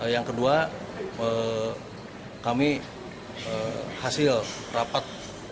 yang kedua kami hasil rapat